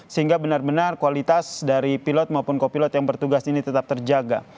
sehingga benar benar kualitas dari pilot maupun kopilot yang bertugas ini tetap terjaga